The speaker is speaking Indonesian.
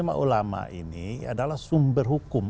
isma ulama ini adalah sumber hukum